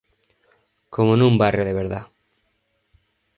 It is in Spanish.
Como en un barrio de verdad".